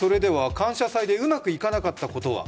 「感謝祭」でうまくいかなかったことは？